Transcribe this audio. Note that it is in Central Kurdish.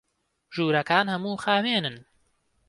ژوورەکان هەموو خاوێنن.